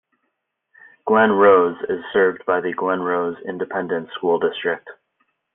Glen Rose is served by the Glen Rose Independent School District.